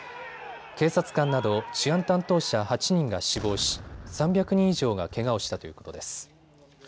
警察官など治安担当者８人が死亡し、３００人以上がけがをしたということです。